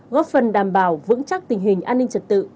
góp phần đảm bảo vững chắc tình hình an ninh trật tự